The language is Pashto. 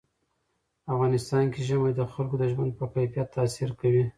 په افغانستان کې ژمی د خلکو د ژوند په کیفیت تاثیر کوي.